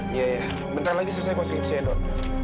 iya bentar lagi selesai konskripsi eduk